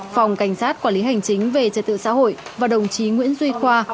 phòng cảnh sát quản lý hành chính về trật tự xã hội và đồng chí nguyễn duy khoa